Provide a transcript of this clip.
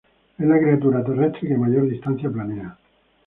Es la criatura terrestre que mayor distancia planea.